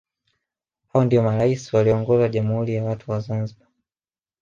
Hao ndio marais walioongoza Jamhuri ya watu wa Zanzibar